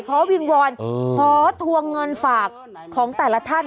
เพราะวิงวอนเพราะถวงเงินฝากของแต่ละท่าน